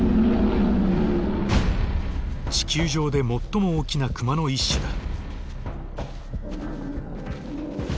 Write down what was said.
地球上で最も大きなクマの一種だ。